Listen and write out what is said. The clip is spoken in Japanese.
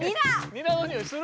にらのにおいする？